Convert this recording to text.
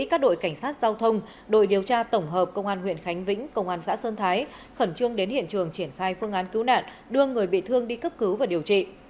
các đội cảnh sát giao thông đội điều tra tổng hợp công an huyện khánh vĩnh công an xã sơn thái khẩn trương đến hiện trường triển khai phương án cứu nạn đưa người bị thương đi cấp cứu và điều trị